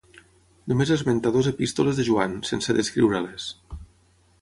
Només esmenta dues epístoles de Joan, sense descriure-les.